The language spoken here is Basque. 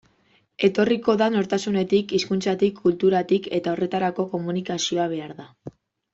Etorriko da nortasunetik, hizkuntzatik, kulturatik, eta horretarako komunikazioa behar da.